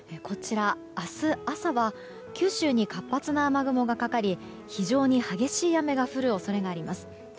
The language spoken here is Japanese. こちら、明日朝は九州に活発な雨雲がかかり非常に激しい雨が降る恐れがあります。